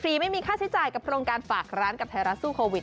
ไม่มีค่าใช้จ่ายกับโครงการฝากร้านกับไทยรัฐสู้โควิด